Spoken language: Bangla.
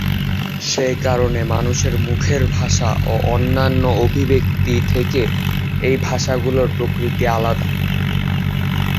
সে কারণে মানুষের মুখের ভাষা ও অন্যান্য অভিব্যক্তি থেকে এই ভাষাগুলোর প্রকৃতি আলাদা।